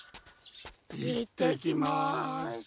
行ってきます。